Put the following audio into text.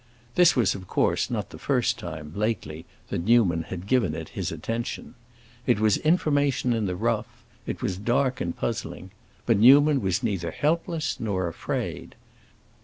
This was of course not the first time, lately, that Newman had given it his attention. It was information in the rough,—it was dark and puzzling; but Newman was neither helpless nor afraid.